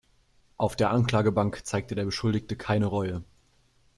Auf der Anklagebank zeigte der Beschuldigte keine Reue.